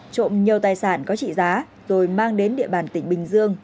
trộm nhiều tài sản có trị giá rồi mang đến địa bàn tỉnh bình dương